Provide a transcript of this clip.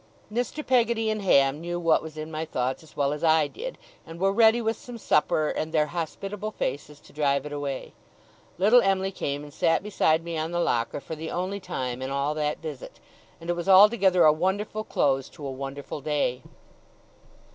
Mr. Peggotty and Ham knew what was in my thoughts as well as I did, and were ready with some supper and their hospitable faces to drive it away. Little Em'ly came and sat beside me on the locker for the only time in all that visit; and it was altogether a wonderful close to a wonderful day.